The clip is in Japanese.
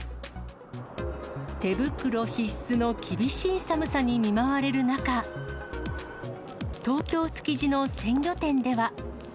手袋必須の厳しい寒さに見舞われる中、東京・築地の鮮魚店では。